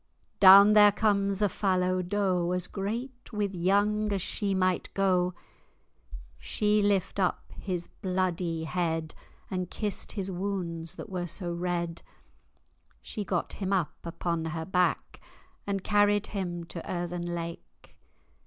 "Down there comes a fallow doe, As great with yong as she might goe. "She lift up his bloudy hed, And kist his wounds that were so red. "She got him up upon her backe, And carried him to earthen lake.